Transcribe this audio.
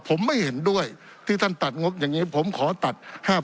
ผมไม่เห็นด้วยที่ท่านตัดงบอย่างนี้ผมขอตัด๕๐